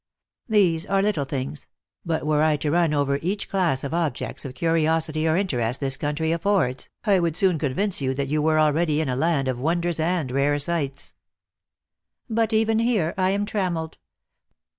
These are little things; but were I to run over each class of objects of curiosity or interest this country affords, I would soon convince you that you were already in a land of wonders and rare sights." " But even here I am trammeled.